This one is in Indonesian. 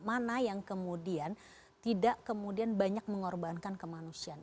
mana yang kemudian tidak kemudian banyak mengorbankan kemanusiaan